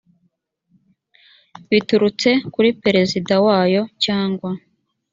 biturutse kuri perezida wayo cyangwa